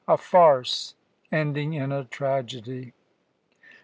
'A farce ending in a tragedy.'"